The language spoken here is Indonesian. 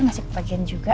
masih kebagian juga